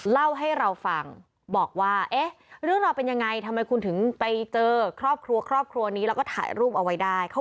เล่าให้เราฟังบอกว่าเอ๊ะเรื่องราวเป็นยังไงทำไมคุณถึงไปเจอครอบครัวครอบครัวนี้แล้วก็ถ่ายรูปเอาไว้ได้